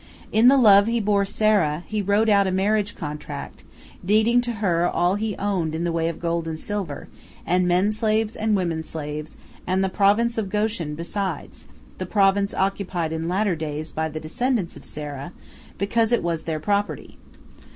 In the love he bore Sarah, he wrote out a marriage contract, deeding to her all he owned in the way of gold and silver, and men slaves and women slaves, and the province of Goshen besides, the province occupied in later days by the descendants of Sarah, because it was their property.